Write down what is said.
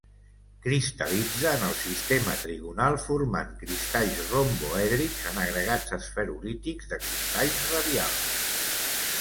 Cristal·litza en el sistema trigonal formant cristalls romboèdrics, en agregats esferulítics de cristalls radials.